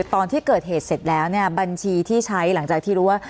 ตอนที่เกิดเหตุเสร็จแล้วเนี่ยบัญชีที่ใช้หลังจากที่รู้ว่า